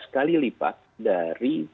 sebelas kali lipat dari